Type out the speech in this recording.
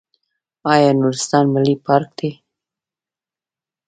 آیا نورستان ملي پارک دی؟